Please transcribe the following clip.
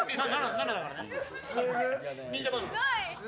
７だからね。